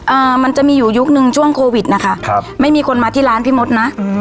มันจะมีอยู่ยุคนึงช่วงโควิดนะคะครับไม่มีคนมาที่ร้านพี่มดนะอืม